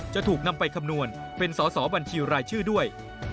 จะถูกนำไปคำนวณเป็นสอสอบัญชีรายชื่อด้วย